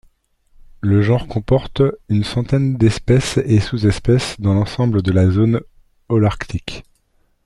Le genre comporte une centaine d'espèces et sous-espèces dans l'ensemble de la zone holarctique.